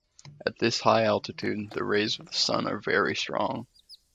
At this high altitude, the rays of the sun are very strong.